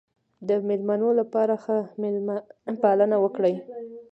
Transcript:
د مېلمنو لپاره ښه مېلمه پالنه وکړئ.